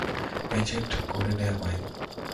Agent করে নে আমায়।